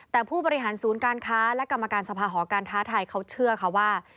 แต่ผู้บริหารศูนย์การค้าและกรรมการสภาหอการค้าไทยเขาเชื่อค่ะว่า